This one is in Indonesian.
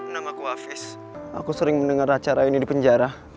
nama ku hafiz aku sering mendengar acara ini di penjara